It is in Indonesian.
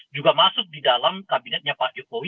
juga masuk di dalam kabinetnya pak jokowi